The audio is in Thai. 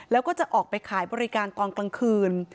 แล้วก็จะออกไปขายบริการตอนกลางคืน